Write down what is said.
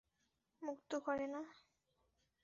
মুক্ত করে না?